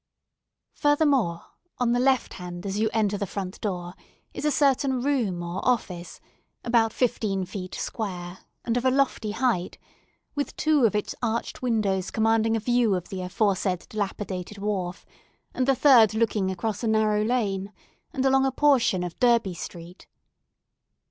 Furthermore, on the left hand as you enter the front door, is a certain room or office, about fifteen feet square, and of a lofty height, with two of its arched windows commanding a view of the aforesaid dilapidated wharf, and the third looking across a narrow lane, and along a portion of Derby Street.